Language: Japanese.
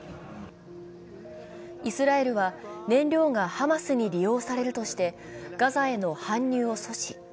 イスラエルは燃料がハマスに利用されるとしてガザへの搬入を阻止。